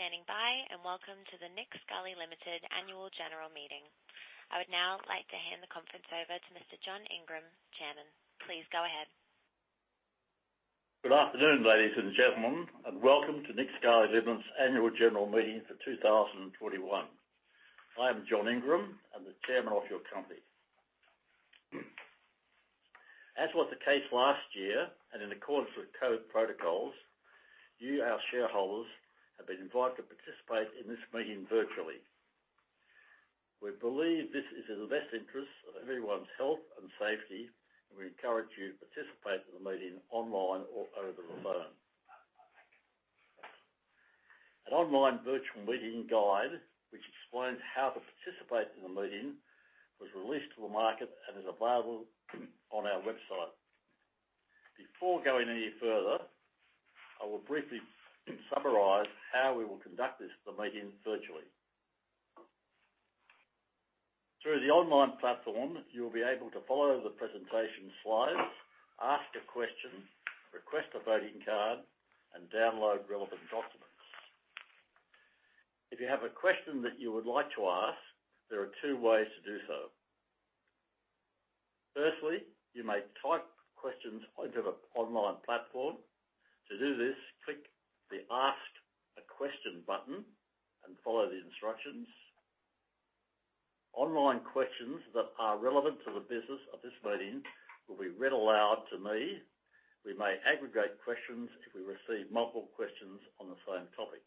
Thank you for standing by, and welcome to the Nick Scali Limited annual general meeting. I would now like to hand the conference over to Mr John Ingram, Chairman. Please go ahead. Good afternoon, ladies and gentlemen, welcome to Nick Scali Limited's annual general meeting for 2021. I am John Ingram. I'm the chairman of your company. As was the case last year, in accordance with COVID protocols, you, our shareholders, have been invited to participate in this meeting virtually. We believe this is in the best interest of everyone's health and safety, we encourage you to participate in the meeting online or over the phone. An online virtual meeting guide, which explains how to participate in the meeting, was released to the market and is available on our website. Before going any further, I will briefly summarize how we will conduct this, the meeting virtually. Through the online platform, you will be able to follow the presentation slides, ask a question, request a voting card, and download relevant documents. If you have a question that you would like to ask, there are two ways to do so. Firstly, you may type questions onto the online platform. To do this, click the Ask a question button and follow the instructions. Online questions that are relevant to the business of this meeting will be read aloud to me. We may aggregate questions if we receive multiple questions on the same topic.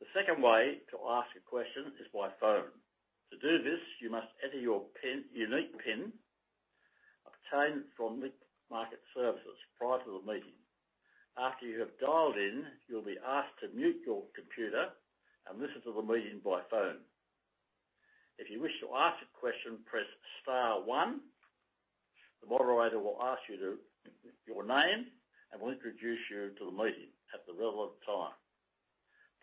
The second way to ask a question is by phone. To do this, you must enter your pin, unique pin obtained from Link Market Services prior to the meeting. After you have dialed in, you'll be asked to mute your computer and listen to the meeting by phone. If you wish to ask a question, press star one. The moderator will ask you to your name and will introduce you to the meeting at the relevant time.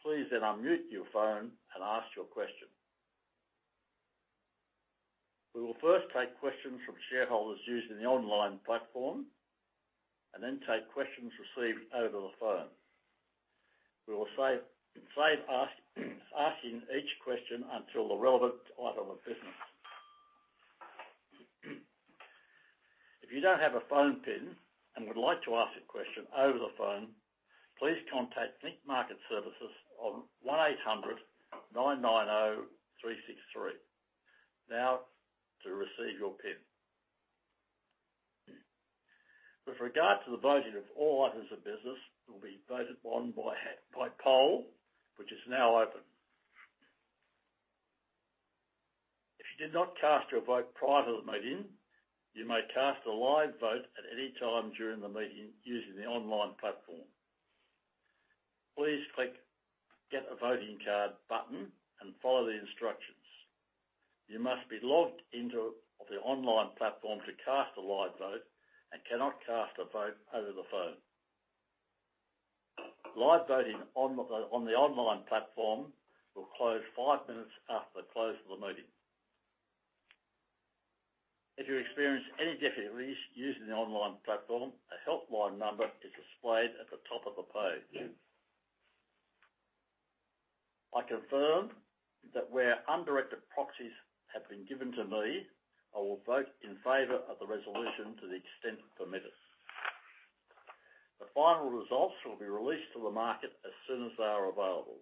Please then unmute your phone and ask your question. We will first take questions from shareholders using the online platform and then take questions received over the phone. We will save asking each question until the relevant item of business. If you don't have a phone pin and would like to ask a question over the phone, please contact Link Market Services on 1-800-990-363 now to receive your pin. With regard to the voting of all items of business, it will be voted on by poll, which is now open. If you did not cast your vote prior to the meeting, you may cast a live vote at any time during the meeting using the online platform. Please click Get a Voting Card button and follow the instructions. You must be logged into the online platform to cast a live vote and cannot cast a vote over the phone. Live voting on the online platform will close five minutes after the close of the meeting. If you experience any difficulties using the online platform, a helpline number is displayed at the top of the page. I confirm that where undirected proxies have been given to me, I will vote in favor of the resolution to the extent permitted. The final results will be released to the market as soon as they are available.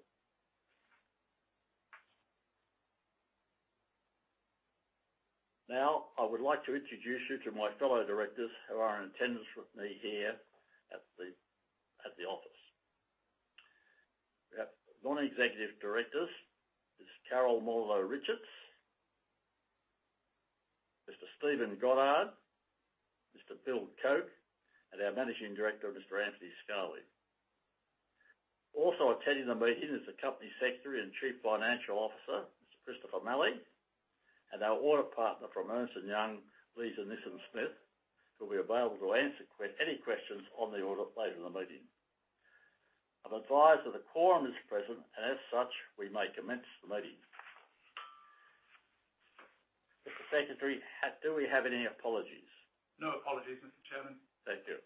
I would like to introduce you to my fellow directors who are in attendance with me here at the office. We have non-executive directors, Ms Carole Molyneux Richards, Mr Stephen Goddard, Mr William Koeck, and our Managing Director, Mr Anthony Scali. Also attending the meeting is the Company Secretary and Chief Financial Officer, Mr Christopher Malley, and our Audit Partner from Ernst & Young, Lisa Nijssen-Smith, who will be available to answer any questions on the audit later in the meeting. I'm advised that a quorum is present and as such, we may commence the meeting. Mr Secretary, do we have any apologies? No apologies, Mr Chairman. Thank you.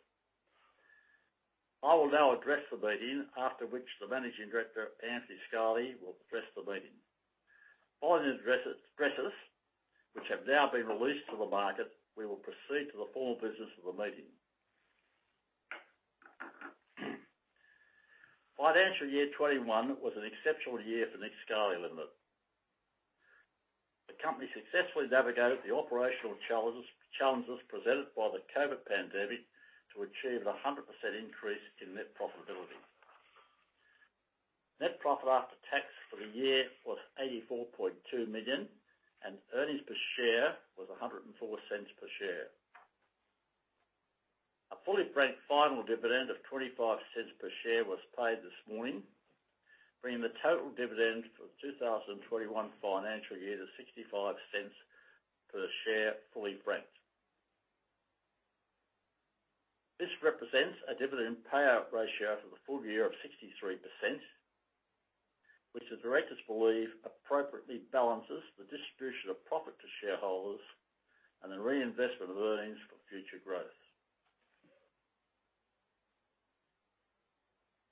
I will now address the meeting, after which the Managing Director, Anthony Scali, will address the meeting. Following the addresses which have now been released to the market, we will proceed to the formal business of the meeting. Financial year 2021 was an exceptional year for Nick Scali Limited. The company successfully navigated the operational challenges presented by the COVID pandemic to achieve a 100% increase in net profitability. Net profit after tax for the year was 84.2 million, earnings per share was 1.04 per share. A fully franked final dividend of 0.25 per share was paid this morning, bringing the total dividend for 2021 financial year to 0.65 per share fully franked. This represents a dividend payout ratio for the full year of 63%, which the directors believe appropriately balances the distribution of profit to shareholders and the reinvestment of earnings for future growth.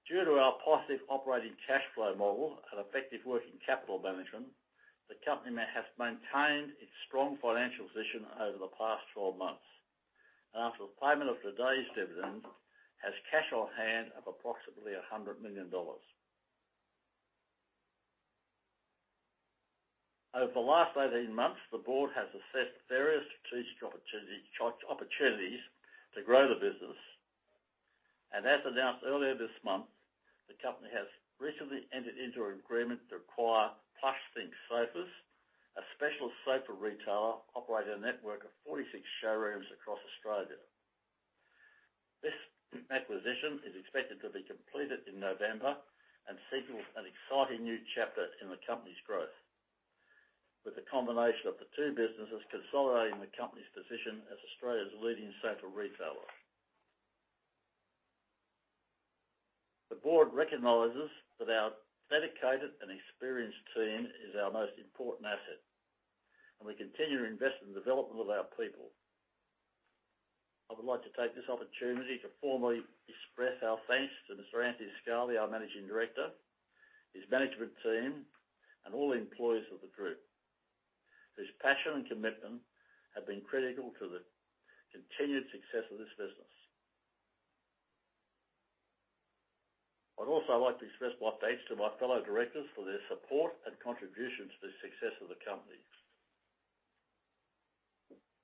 Due to our positive operating cash flow model and effective working capital management, the company has maintained its strong financial position over the past 12 months. After the payment of today's dividends, has cash on hand of approximately 100 million dollars. Over the last 18 months, the board has assessed various strategic opportunities to grow the business. As announced earlier this month, the company has recently entered into an agreement to acquire Plush Think Sofas, a special sofa retailer operating a network of 46 showrooms across Australia. This acquisition is expected to be completed in November and signals an exciting new chapter in the company's growth with the combination of the two businesses consolidating the company's position as Australia's leading sofa retailer. The board recognizes that our dedicated and experienced team is our most important asset, and we continue to invest in the development of our people. I would like to take this opportunity to formally express our thanks to Mr. Anthony Scali, our Managing Director, his management team, and all the employees of the group, whose passion and commitment have been critical to the continued success of this business. I'd also like to express my thanks to my fellow directors for their support and contribution to the success of the company.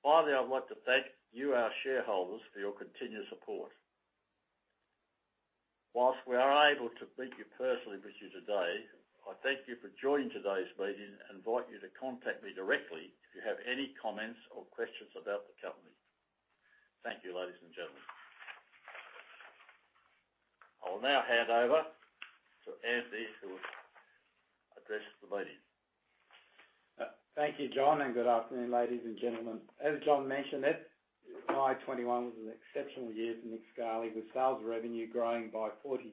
Finally, I'd like to thank you, our shareholders, for your continued support. While we are unable to be here personally with you today, I thank you for joining today's meeting and invite you to contact me directly if you have any comments or questions about the company. Thank you, ladies and gentlemen. I will now hand over to Anthony to address the meeting. Thank you, John, and good afternoon, ladies and gentlemen. As John mentioned, FY 2021 was an exceptional year for Nick Scali, with sales revenue growing by 42%.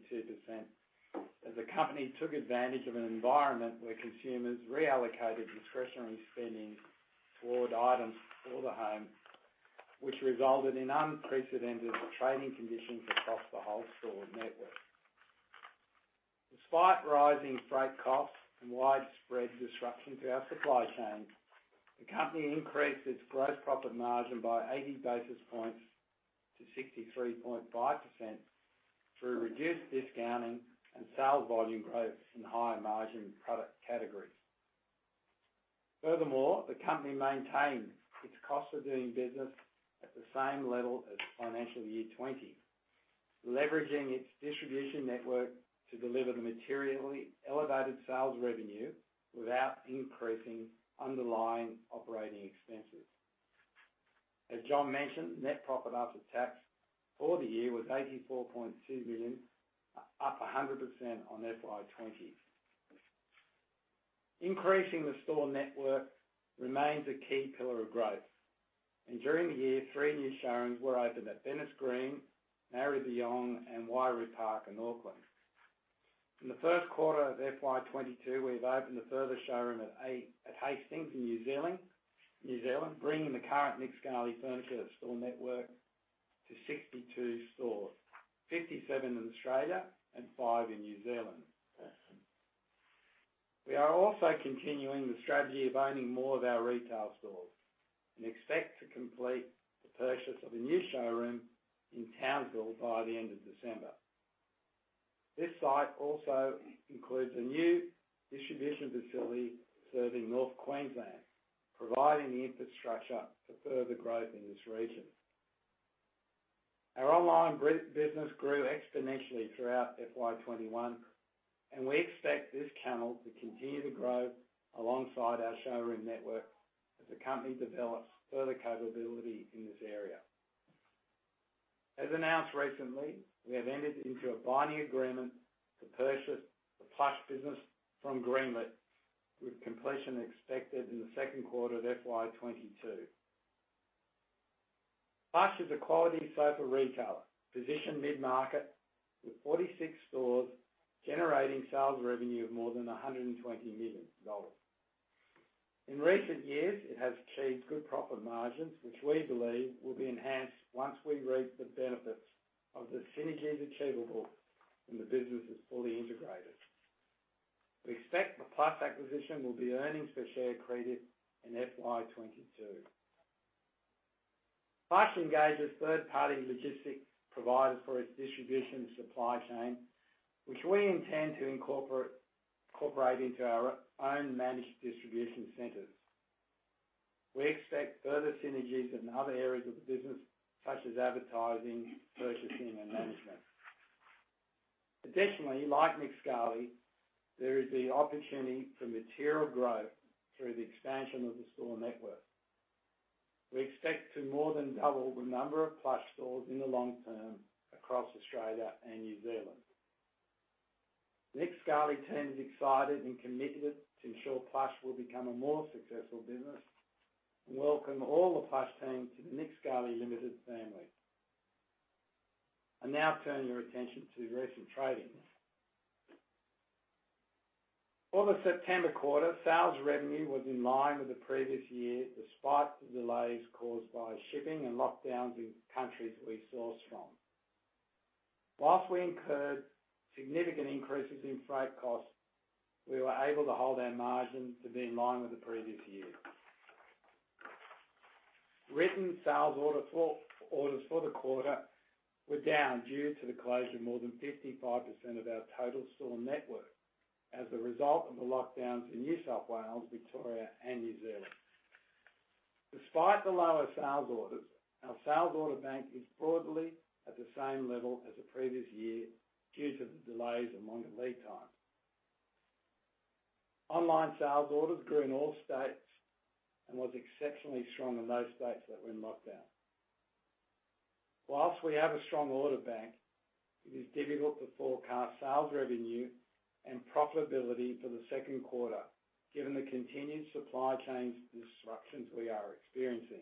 As the company took advantage of an environment where consumers reallocated discretionary spending toward items for the home, which resulted in unprecedented trading conditions across the whole store network. Despite rising freight costs and widespread disruption to our supply chains, the company increased its gross profit margin by 80 basis points to 63.5% through reduced discounting and sales volume growth in higher margin product categories. Furthermore, the company maintained its cost of doing business at the same level as financial year 20, leveraging its distribution network to deliver the materially elevated sales revenue without increasing underlying operating expenses. As John mentioned, net profit after tax for the year was 84.2 million, up 100% on FY20. Increasing the store network remains a key pillar of growth. During the year, three new showrooms were opened at Bennetts Green, Maribyrnong, and Wairau Park in Auckland. In the first quarter of FY 2022, we've opened a further showroom at Hastings in New Zealand, bringing the current Nick Scali Furniture store network to 62 stores, 57 in Australia and five in New Zealand. We are also continuing the strategy of owning more of our retail stores and expect to complete the purchase of a new showroom in Townsville by the end of December. This site also includes a new distribution facility serving North Queensland, providing the infrastructure for further growth in this region. Our online business grew exponentially throughout FY 2021. We expect this channel to continue to grow alongside our showroom network as the company develops further capability in this area. As announced recently, we have entered into a binding agreement to purchase the Plush business from Greenlit, with completion expected in the second quarter of FY 2022. Plush is a quality sofa retailer, positioned mid-market with 46 stores, generating sales revenue of more than 120 million dollars. In recent years, it has achieved good profit margins, which we believe will be enhanced once we reap the benefits of the synergies achievable when the business is fully integrated. We expect the Plush acquisition will be earnings per share accretive in FY 2022. Plush engages third-party logistics providers for its distribution and supply chain, which we intend to incorporate into our own managed distribution centers. We expect further synergies in other areas of the business, such as advertising, purchasing, and management. Additionally, like Nick Scali, there is the opportunity for material growth through the expansion of the store network. We expect to more than double the number of Plush stores in the long term across Australia and New Zealand. Nick Scali team is excited and committed to ensure Plush will become a more successful business. We welcome all the Plush team to the Nick Scali Limited family. I now turn your attention to recent tradings. For the September quarter, sales revenue was in line with the previous year despite the delays caused by shipping and lockdowns in countries we source from. Whilst we incurred significant increases in freight costs, we were able to hold our margin to be in line with the previous year. Written sales orders for the quarter were down due to the closure of more than 55% of our total store network as a result of the lockdowns in New South Wales, Victoria and New Zealand. Despite the lower sales orders, our sales order bank is broadly at the same level as the previous year due to the delays and longer lead times. Online sales orders grew in all states and was exceptionally strong in those states that were in lockdown. Whilst we have a strong order bank, it is difficult to forecast sales revenue and profitability for the second quarter given the continued supply chains disruptions we are experiencing.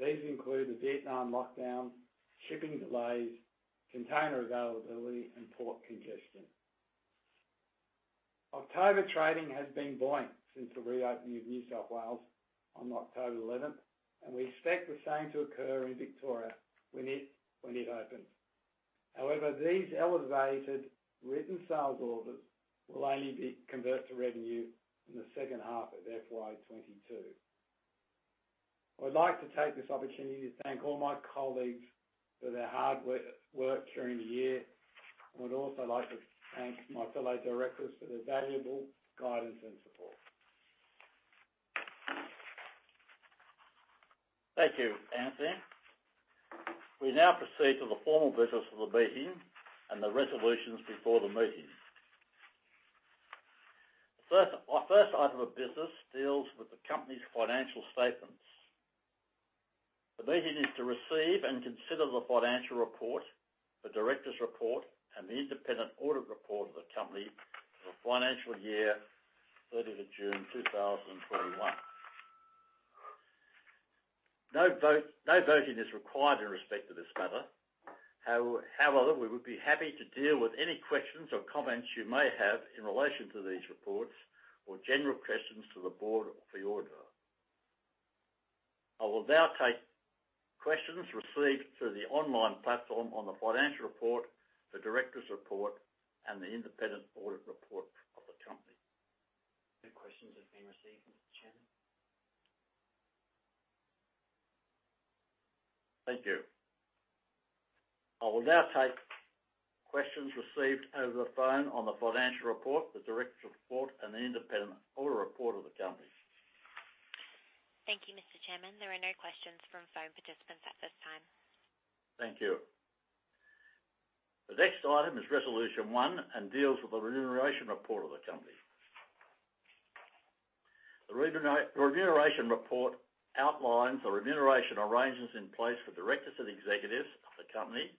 These include the Vietnam lockdowns, shipping delays, container availability and port congestion. October trading has been buoyant since the reopening of New South Wales on October 11, and we expect the same to occur in Victoria when it opens. However, these elevated written sales orders will only be converted to revenue in the second half of FY 2022. I would like to take this opportunity to thank all my colleagues for their hard work during the year. I would also like to thank my fellow directors for their valuable guidance and support. Thank you, Anthony. We now proceed to the formal business of the meeting and the resolutions before the meeting. First, first item of business deals with the company's financial statements. The meeting is to receive and consider the financial report, the director's report and the independent audit report of the company for the financial year, June 30, 2021. No vote, no voting is required in respect to this matter. However, we would be happy to deal with any questions or comments you may have in relation to these reports or general questions to the board of [for the auditor]. I will now take questions received through the online platform on the financial report, the director's report, and the independent audit report of the company. No questions have been received, Mr. Chairman. Thank you. I will now take questions received over the phone on the financial report, the director's report, and the independent audit report of the company. Thank you, Mr. Chairman. There are no questions from phone participants at this time. Thank you. The next item is Resolution 1 and deals with the remuneration report of the company. The remuneration report outlines the remuneration arrangements in place for directors and executives of the company,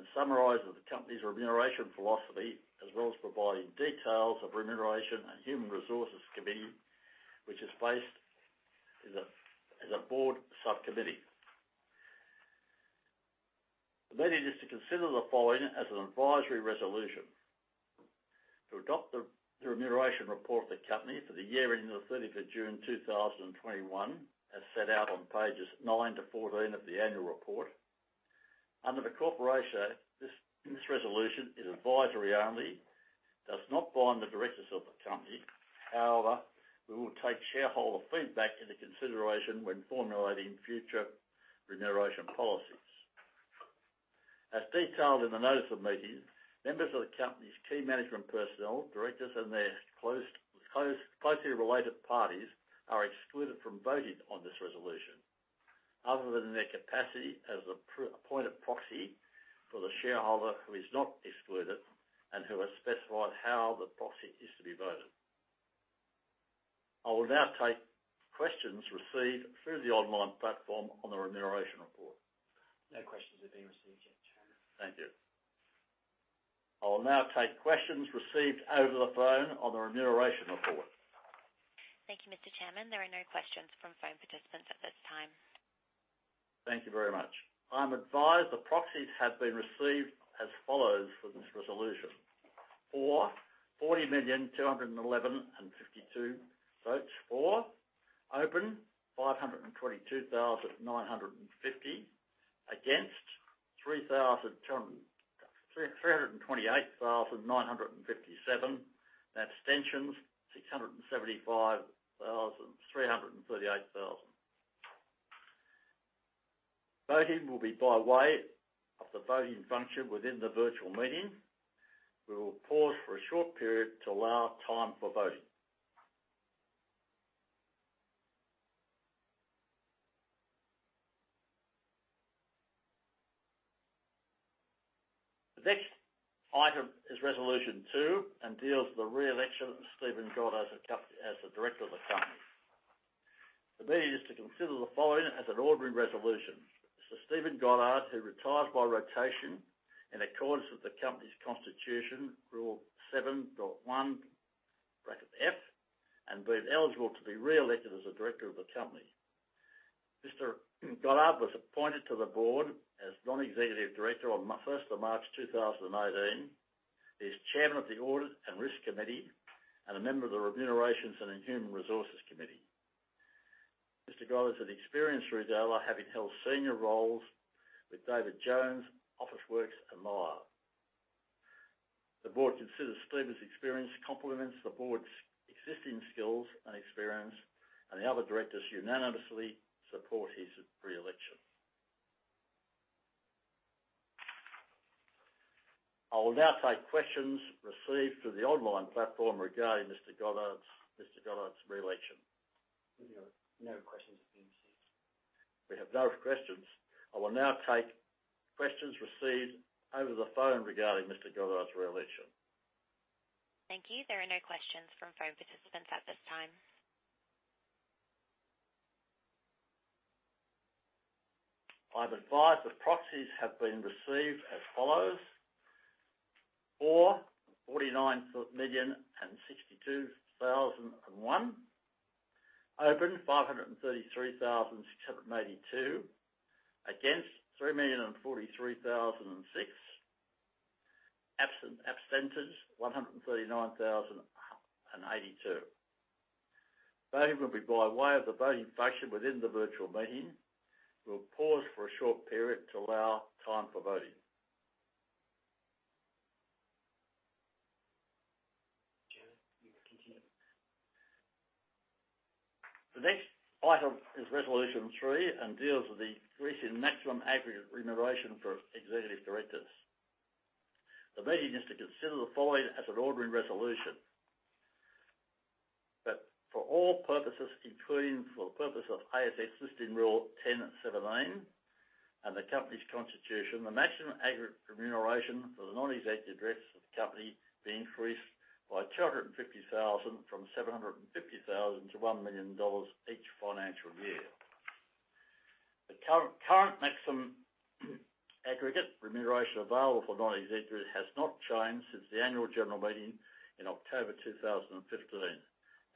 and summarizes the company's remuneration philosophy as well as providing details of Remuneration and Human Resources Committee, which is placed as a board subcommittee. The meeting is to consider the following as an advisory resolution: To adopt the remuneration report of the company for the year ending the 30th of June 2021, as set out on pages nine to 14 of the annual report. Under the Corporations Act, this resolution is advisory only, does not bind the directors of the company. However, we will take shareholder feedback into consideration when formulating future remuneration policies. As detailed in the notice of meeting, members of the company's key management personnel, directors and their closely related parties are excluded from voting on this resolution, other than in their capacity as appointed proxy for the shareholder who is not excluded and who has specified how the proxy is to be voted. I will now take questions received through the online platform on the remuneration report. No questions have been received yet, Chairman. Thank you. I will now take questions received over the phone on the remuneration report. Thank you, Mr. Chairman. There are no questions from phone participants at this time. Thank you very much. I am advised the proxies have been received as follows for this resolution. For 40,211,052 votes. For open 522,950. Against 328,957. Abstentions 675,338. Voting will be by way of the voting function within the virtual meeting. We will pause for a short period to allow time for voting. The next item is Resolution 2 and deals with the re-election of Stephen Goddard as a director of the company. The meeting is to consider the following as an ordinary resolution. Sir Stephen Goddard, who retires by rotation in accordance with the company's constitution, Rule 7.1. He has been eligible to be re-elected as a director of the company. Mr. Goddard was appointed to the board as non-executive director on 1st of March 2018. He's chairman of the Audit & Risk Committee and a member of the Remuneration and Human Resources Committee. Mr. Goddard is an experienced retailer, having held senior roles with David Jones, Officeworks, and Myer. The board considers Stephen's experience complements the board's existing skills and experience, and the other directors unanimously support his re-election. I will now take questions received through the online platform regarding Mr. Goddard's re-election. We have no questions at this stage. We have no questions. I will now take questions received over the phone regarding Mr. Goddard's re-election. Thank you. There are no questions from phone participants at this time. I'm advised that proxies have been received as follows: For, 49,062,001; Open, 533,682; Against, 3,043,006; Absent, abstentions, 139,082. Voting will be by way of the voting function within the virtual meeting. We'll pause for a short period to allow time for voting. Chair, you can continue. The next item is Resolution 3 and deals with the increase in maximum aggregate remuneration for non-executive directors. The meeting is to consider the following as an ordinary resolution. That for all purposes, including for the purpose of ASX Listing Rule 10.17 and the company's constitution, the maximum aggregate remuneration for the non-executive directors of the company be increased by 250,000 from 750,000 to 1 million dollars each financial year. The current maximum aggregate remuneration available for non-executive directors has not changed since the annual general meeting in October 2015,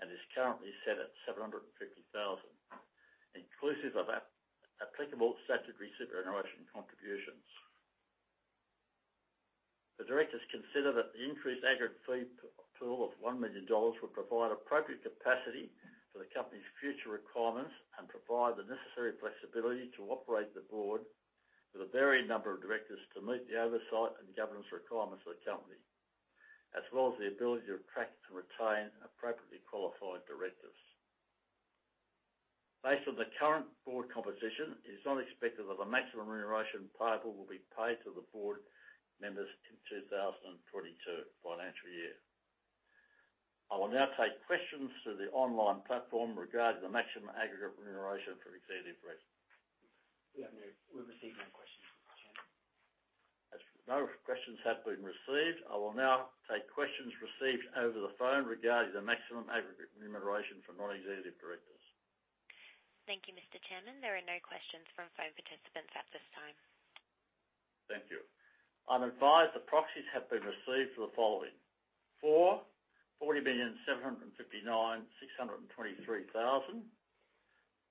and is currently set at 750,000, inclusive of applicable statutory superannuation contributions. The directors consider that the increased aggregate fee pool of 1 million dollars will provide appropriate capacity for the company's future requirements and provide the necessary flexibility to operate the board with a varied number of directors to meet the oversight and governance requirements of the company, as well as the ability to attract and retain appropriately qualified directors. Based on the current board composition, it is not expected that the maximum remuneration payable will be paid to the board members in FY 2022. I will now take questions through the online platform regarding the maximum aggregate remuneration for executive directors. We've received no questions, Mr. Chairman. As no questions have been received, I will now take questions received over the phone regarding the maximum aggregate remuneration for non-executive directors. Thank you, Mr. Chairman. There are no questions from phone participants at this time. Thank you. I'm advised the proxies have been received for the following: For, 40,759,623;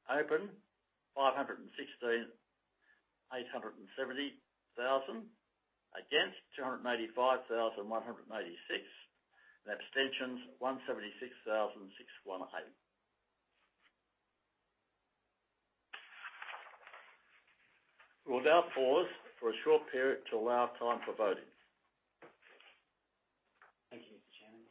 Open, 516,870; Against, 285,186; Abstentions, 176,618. We will now pause for a short period to allow time for voting. Thank you, Mr. Chairman.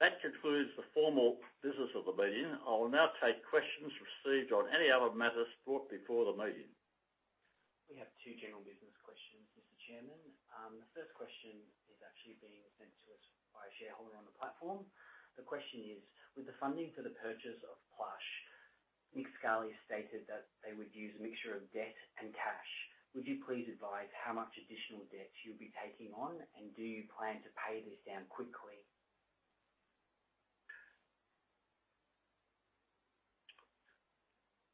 That concludes the formal business of the meeting. I will now take questions received on any other matters brought before the meeting. We have two general business questions, Mr. Chairman. The first question is actually being sent to us by a shareholder on the platform. The question is: With the funding for the purchase of Plush, Nick Scali stated that they would use a mixture of debt and cash. Would you please advise how much additional debt you'll be taking on, and do you plan to pay this down quickly?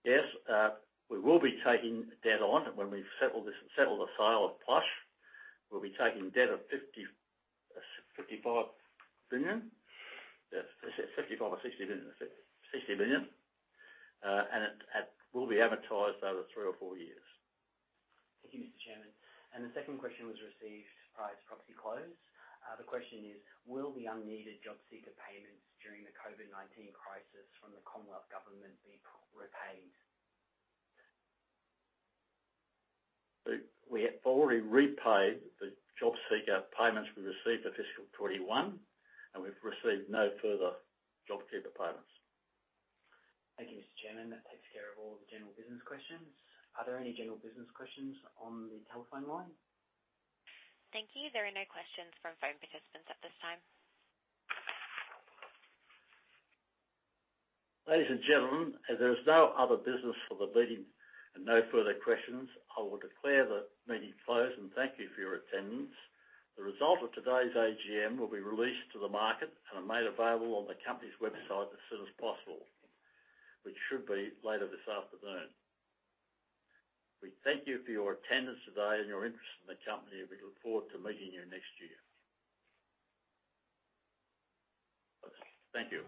Yes, we will be taking debt on when we settle the sale of Plush. We'll be taking debt of 55 billion. Yeah, 55 billion or 60 billion. It will be amortized over three or four years. Thank you, Mr. Chairman. The second question was received prior to proxy close. The question is: Will the unneeded JobKeeper payments during the COVID-19 crisis from the Commonwealth Government be repaid? We have already repaid the JobKeeper payments we received for fiscal 2021, and we've received no further JobKeeper payments. Thank you, Mr. Chairman. That takes care of all the general business questions. Are there any general business questions on the telephone line? Thank you. There are no questions from phone participants at this time. Ladies and gentlemen, as there is no other business for the meeting and no further questions, I will declare the meeting closed, and thank you for your attendance. The result of today's AGM will be released to the market and are made available on the company's website as soon as possible, which should be later this afternoon. We thank you for your attendance today and your interest in the company. We look forward to meeting you next year. Thank you.